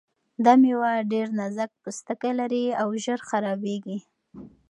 دا مېوه ډېر نازک پوستکی لري او ژر خرابیږي.